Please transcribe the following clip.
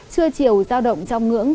chưa chịu giao động trong ngưỡng